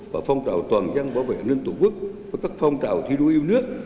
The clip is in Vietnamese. và phong trào toàn dân bảo vệ ảnh hưởng tổ quốc với các phong trào thi đua yêu nước